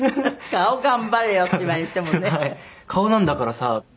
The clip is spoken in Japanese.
「顔なんだからさ」って。